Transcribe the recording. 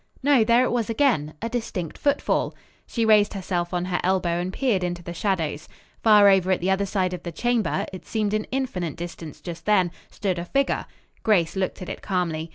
No; there it was again. A distinct footfall. She raised herself on her elbow and peered into the shadows. Far over at the other side of the chamber it seemed an infinite distance just then stood a figure. Grace looked at it calmly.